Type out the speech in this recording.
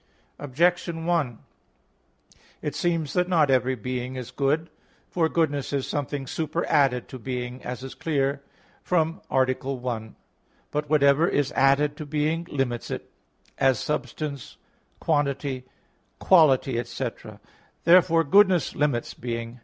Objection 1: It seems that not every being is good. For goodness is something superadded to being, as is clear from A. 1. But whatever is added to being limits it; as substance, quantity, quality, etc. Therefore goodness limits being.